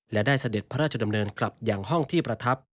และได้เสด็จพระราชดำเนินกลับอย่างห้องที่ประทับ